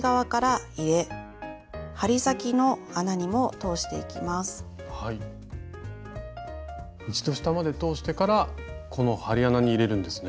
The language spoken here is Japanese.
そして下まで通してからこの針穴に入れるんですね？